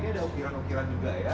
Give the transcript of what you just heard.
ini ada ukiran ukiran juga ya